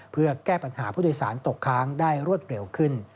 เพื่อแก้ปัญหาผู้โดยสารตกค้างได้รวดเร็วขึ้น